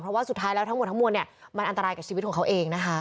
เพราะว่าสุดท้ายแล้วทั้งหมดมันอันตรายกับชีวิตของเขาเองนะคะ